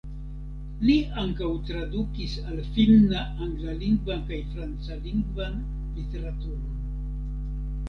Li ankaŭ tradukis al finna anglalingvan kaj francalingvan literaturon.